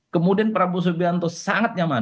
kemudian prabowo subianto sangat nyaman